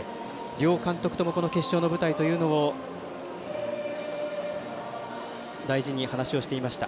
両監督ともこの決勝の舞台というのを大事に話をしていました。